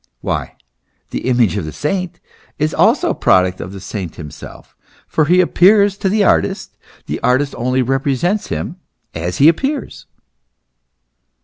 Why, the image of the saint is also a product of the saint himself : for he appears to the artist ; the artist only represents him as he appears.